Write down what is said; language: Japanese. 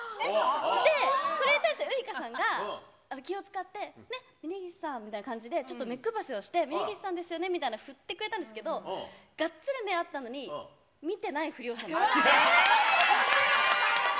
で、それに対してウイカさんが気を遣って、ね、峯岸さんみたいな感じで、ちょっと目配せをして、峯岸さんですよねって振ってくれたんですけど、がっつり目が合ったのに、見てないふりをしたんです。